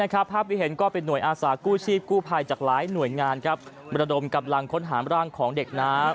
กูภายจากหลายหน่วยงานบรรดมกำลังค้นหามร่างของเด็กน้ำ